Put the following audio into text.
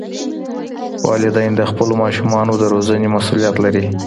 والدین د خپلو ماشومانو د روزنې مسؤلیت لري.